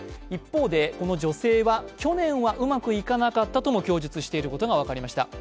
一方で、この女性は、去年はうまくいかなかったとも供述していることが分かりました。